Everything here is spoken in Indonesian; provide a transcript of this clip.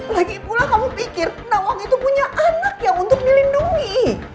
lagi pula kamu pikir nawang itu punya anak yang untuk dilindungi